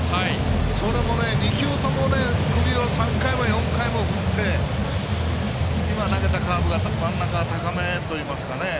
それも２球とも首を３回も４回も振って今、投げたカーブが真ん中高めといいますかね。